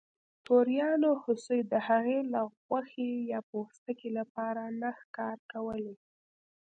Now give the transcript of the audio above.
توریانو هوسۍ د هغې له غوښې یا پوستکي لپاره نه ښکار کولې.